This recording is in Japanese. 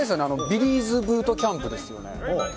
ビリーズブートキャンプですよね。